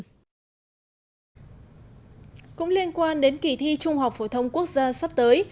cũng liên quan đến kỳ thi trung học phổ thông quốc gia sắp tới